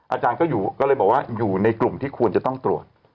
อาจารย์ก็เลยบอกว่าอยู่ในกลุ่มที่ควรจะต้องตรวจ